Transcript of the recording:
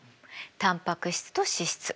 タンパク質と脂質。